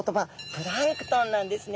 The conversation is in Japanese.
プランクトンなんですね。